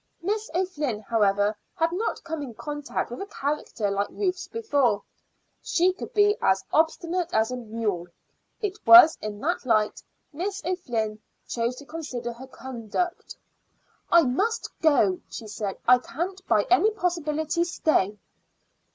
Miss O'Flynn, however, had not come in contact with a character like Ruth's before. She could be as obstinate as a mule. It was in that light Miss O'Flynn chose to consider her conduct. "I must go," she said. "I can't by any possibility stay."